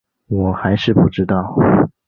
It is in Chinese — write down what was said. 我还是不知道